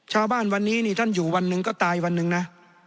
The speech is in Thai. ชาวบ้านวันนี้นี่ท่านอยู่วันหนึ่งก็ตายวันหนึ่งนะ